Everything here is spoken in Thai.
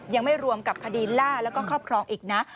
ยังไม่รวมกับคดีล่าแล้วก็ครอบครองอีกนะ